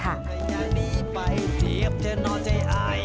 อยากดีไปเทียบเท่านอนใจอาย